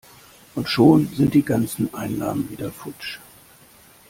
Und schon sind die ganzen Einnahmen wieder futsch!